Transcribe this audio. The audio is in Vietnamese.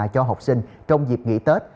cho học sinh trong dịp nghỉ tết